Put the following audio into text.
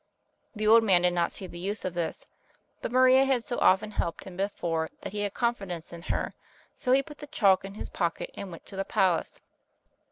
The old man did not see the use of this, but Maria had so often helped him before that he had confidence in her, so he put the chalk in his pocket and went to the palace.